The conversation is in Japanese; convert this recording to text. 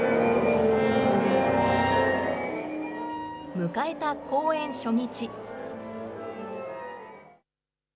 迎えた公演初日。